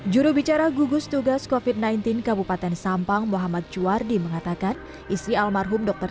jurubicara gugus tugas kofit sembilan belas kabupaten sampang muhammad juwardi mengatakan istri almarhum dokter